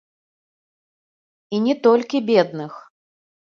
І не толькі бедных.